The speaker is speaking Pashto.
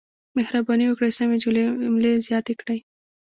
مهرباني وکړئ سمې جملې زیاتې کړئ.